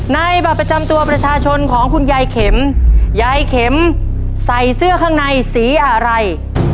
บัตรประจำตัวประชาชนของคุณยายเข็มยายเข็มใส่เสื้อข้างในสีอะไร